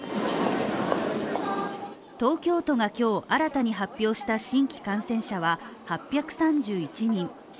東京都が今日新たに発表した新規感染者は８３１人。